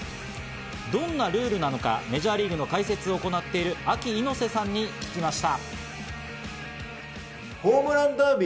どんなルールなのか、メジャーリーグの解説を行っているＡＫＩ猪瀬さんに聞きました。